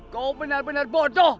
kau benar benar bodoh